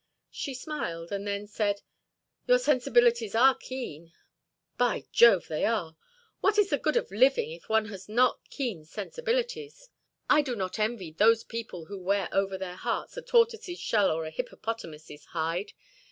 She smiled, and then said: "Your sensibilities are keen." "By Jove, they are! What is the good of living if one has not keen sensibilities? I do not envy those people who wear over their hearts a tortoise's shell or a hippopotamus's hide.